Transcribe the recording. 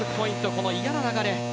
この嫌な流れ